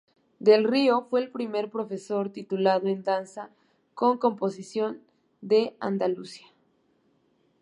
Del Río fue el primer profesor titulado en Danza con oposición de Andalucía.